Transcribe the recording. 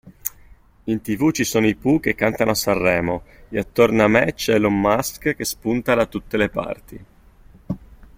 In tv ci sono i Pooh che cantano a Sanremo e attorno a me c'è Elon Musk che spunta da tutte le parti.